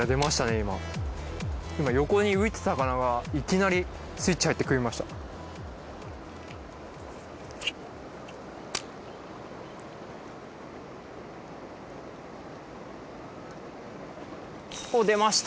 今今横に浮いてた魚がいきなりスイッチ入って食いましたお出ました